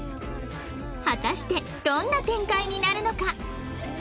果たしてどんな展開になるのか？